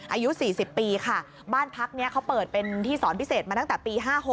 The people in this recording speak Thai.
อายุ๔๐ปีค่ะบ้านพักนี้เขาเปิดเป็นที่สอนพิเศษมาตั้งแต่ปี๕๖